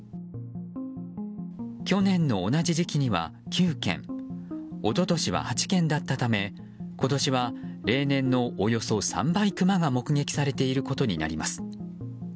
去年の同じ時期には９件一昨年には８件だったため今年は例年のおよそ３倍、クマが目撃されていることになります。